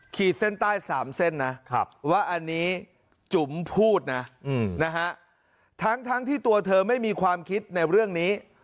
ขีดเส้นใต้๓เส้นนะว่าอันนี้จุ๋มพูดนะทั้งที่ตัวเธอไม่มีความคิดในเรื่องนี้